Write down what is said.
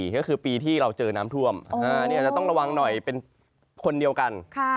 ก็คือปีที่เราเจอน้ำท่วมนี่อาจจะต้องระวังหน่อยเป็นคนเดียวกัน